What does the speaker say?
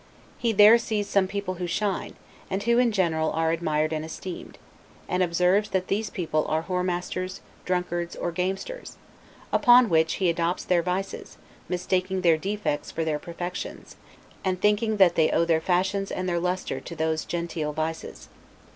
He there sees some people who shine, and who in general are admired and esteemed; and observes that these people are whoremasters, drunkards, or gamesters, upon which he adopts their vices, mistaking their defects for their perfections, and thinking that they owe their fashions and their luster to those genteel vices.